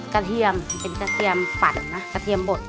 เทียมเป็นกระเทียมปั่นนะกระเทียมบด